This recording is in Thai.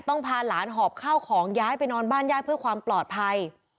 พาหลานหอบข้าวของย้ายไปนอนบ้านญาติเพื่อความปลอดภัย